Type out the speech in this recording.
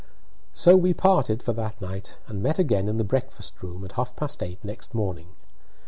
So we parted for that night, and met again in the breakfast room at half past eight next morning.